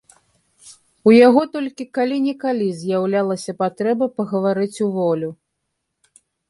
У яго толькі калі-нікалі з'яўлялася патрэба пагаварыць уволю.